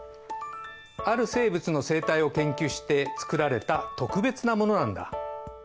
ある生物の生態を研究してつくられた特別なものなんだ。